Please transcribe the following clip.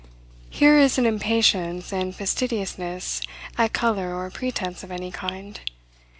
Here is an impatience and fastidiousness at color or pretense of any kind.